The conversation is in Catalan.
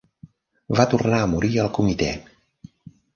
Va tornar a morir al comitè.